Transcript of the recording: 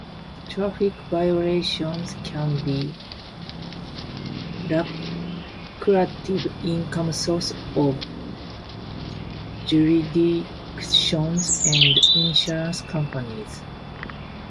Traffic violations can be a lucrative income source for jurisdictions and insurance companies.